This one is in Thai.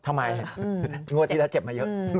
ทำไมงวดที่แล้วเจ็บมาเยอะ